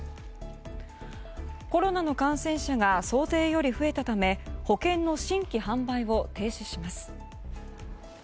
コロナの感染者が想定より増えたため保険の新規販売を停止します。